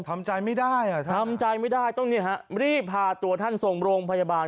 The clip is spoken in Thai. ทำใจไม่ได้ทำใจไม่ได้ต้องรีบพาตัวท่านส่งโรงพยาบาล